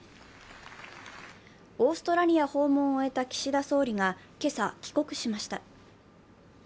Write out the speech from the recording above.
オーストラリア訪問を終えた岸田総理が今朝、帰国しました。